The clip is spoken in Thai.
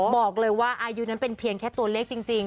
บอกเลยว่าอายุนั้นเป็นเพียงแค่ตัวเลขจริง